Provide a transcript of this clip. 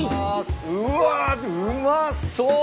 うわうまそう！